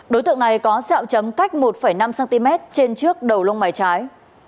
đối tượng này có xeo chấm cách một năm cm trên trước đầu lông mày trái